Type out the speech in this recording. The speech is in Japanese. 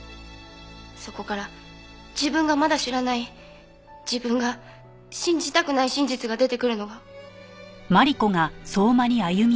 そこから自分がまだ知らない自分が信じたくない真実が出てくるのが。